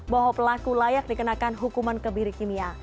bahwa pelaku layak dikenakan hukuman kebiri kimia